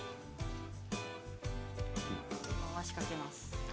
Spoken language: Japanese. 回しかけます。